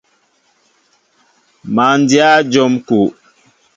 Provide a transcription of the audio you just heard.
Má ndyă njóm kúw.